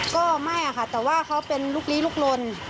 ก็ไม่ค่ะแต่ว่าเขาเป็นลุกลี้ลุกลน